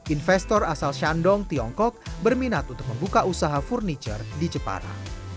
investor asal shandong tiongkok berminat untuk membuka usaha furniture di jepara